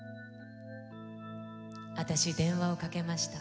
あたし電話をかけました。